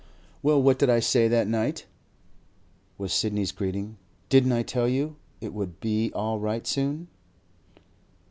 'Well, what did I say that night?' was Sidney's greeting. 'Didn't I tell you it would be all right soon?